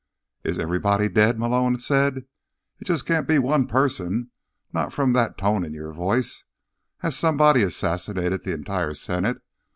"Is everybody dead?" Malone said. "It can't be just one person, not from that tone in your voice. Has somebody assassinated the entire senate?